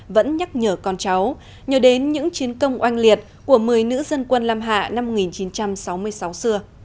vẫn nhắc nhở con cháu nhớ đến những chiến công oanh liệt của một mươi nữ dân quân lam hạ năm một nghìn chín trăm sáu mươi sáu xưa